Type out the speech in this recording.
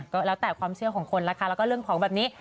ก็แล้วแต่ความเชื่อของคนละค่ะแล้วก็เรื่องของแบบนี้